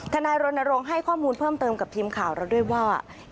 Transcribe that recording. นายรณรงค์ให้ข้อมูลเพิ่มเติมกับทีมข่าวเราด้วยว่า